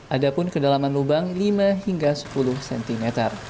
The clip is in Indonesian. ada pun kedalaman lubang lima hingga sepuluh cm